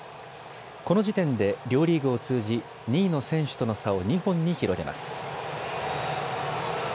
この時点で両リーグを通じ２位の選手との差を２本に広げます。